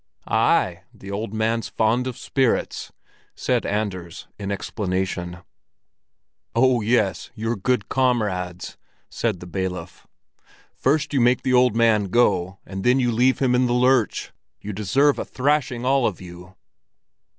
"Ay, the old man's fond of spirits," said Anders, in explanation. "Oh, yes; you're good comrades!" said the bailiff. "First you make the old man go, and then you leave him in the lurch. You deserve a thrashing, all of you."